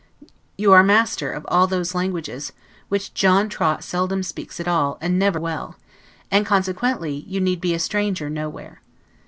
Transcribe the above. You are master of all those languages, which John Trott seldom speaks at all, and never well; consequently you need be a stranger nowhere.